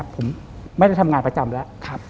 ผมไม่ได้ทำงานประจำแล้ว